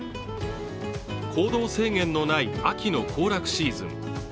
行動制限のない、秋の行楽シーズン。